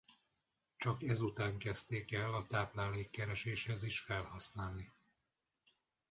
Csak ezután kezdték el a táplálékkereséshez is felhasználni.